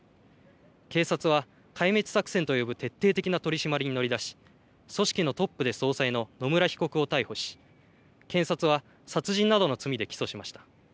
警察は壊滅作戦と呼ぶ徹底的な取締りに乗り出し組織のトップで総裁の野村被告を逮捕し検察は殺人などの罪で起訴しました。